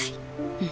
うん。